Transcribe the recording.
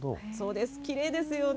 きれいですよね。